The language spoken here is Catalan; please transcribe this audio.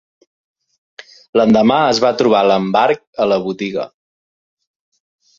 L'endemà es va trobar l'embarg a la botiga